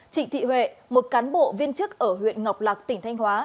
trịnh thị huệ một cán bộ viên chức ở huyện ngọc lạc tỉnh thanh hóa